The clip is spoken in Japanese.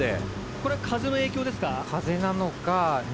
これ風の影響ですか？